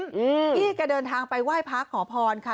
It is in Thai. พี่แกเดินทางไปไหว้พระขอพรค่ะ